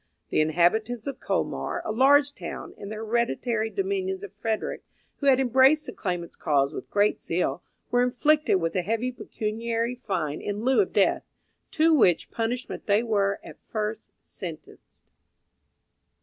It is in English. The inhabitants of Colmar, a large town in the hereditary dominions of Frederick, who had embraced the claimant's cause with great zeal, were inflicted with a heavy pecuniary fine in lieu of death, to which punishment they were, at first, sentenced.